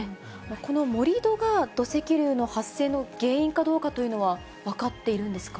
この盛り土が土石流の発生の原因かどうかというのは分かっているんですか。